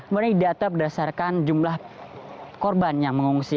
kemudian ini data berdasarkan jumlah korban yang mengungsi